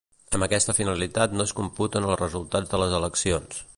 Amb aquesta finalitat no es computen els resultats de les eleccions.